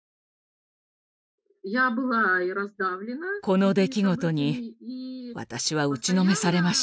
この出来事に私は打ちのめされました。